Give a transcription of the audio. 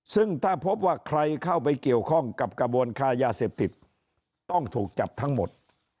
ซึ่งถ้าพบว่าใครเข้าไปเกี่ยวข้องกับกระบวนคายาเสพติดต้องถูกจับทั้งหมด